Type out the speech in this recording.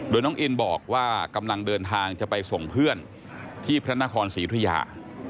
โดยน้องอินบอกว่ากำลังเดินทางจะไปส่งเพื่อนที่พระนครศรีธุยา